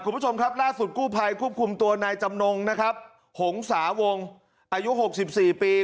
คุณผู้ชมครับล่าสุดกู้ภัยควบคุมตัวนายจำนงนะครับหงษาวงอายุ๖๔ปี